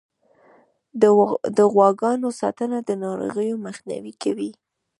د غواګانو ساتنه د ناروغیو مخنیوی کوي.